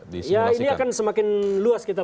ya ini akan semakin luas kita